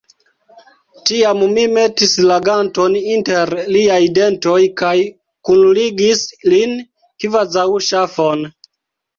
Tiam mi metis la ganton inter liaj dentoj kaj kunligis lin, kvazaŭ ŝafon.